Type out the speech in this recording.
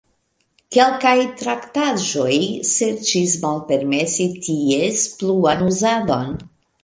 Kelkaj traktaĵoj serĉis malpermesi ties pluan uzadon.